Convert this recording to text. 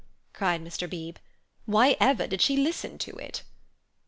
cried Mr. Beebe. "Why ever did she listen to it?"